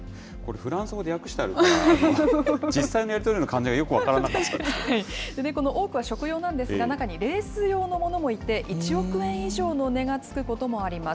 フランス語で訳してあるから、実際のやり取りの感じはよく分か多くは食用なんですが、中にレース用のものもいて、１億円以上の値がつくこともあります。